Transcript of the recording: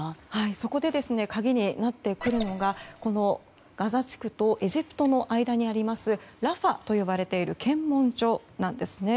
そこで鍵になってくるのがガザ地区とエジプトの間にあるラファと呼ばれている検問所なんですね。